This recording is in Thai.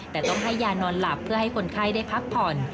แต่ต้องให้ยานอนหลับเพื่อให้คนไข้ได้พักผ่อน